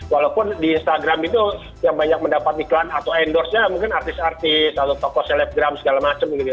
walaupun di instagram itu yang banyak mendapat iklan atau endorse nya mungkin artis artis atau tokoh selebgram segala macam gitu ya